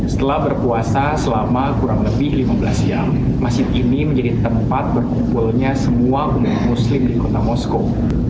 setelah berpuasa selama kurang lebih lima belas jam masjid ini menjadi tempat berkumpulnya semua umat muslim di kota moskow